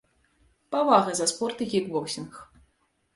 Павага за спорт і кікбоксінг.